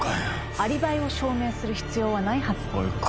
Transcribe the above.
アリバイを証明する必要はないはず。